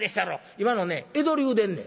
今のね江戸流でんねん」。